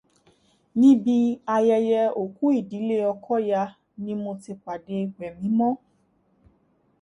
Níbi ayẹyẹ òkú ìdílé Ọkọ́ya ni mo ti pàdé Wẹ̀mímọ́